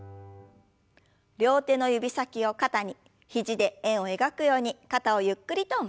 両手の指先を肩に肘で円を描くように肩をゆっくりと回しましょう。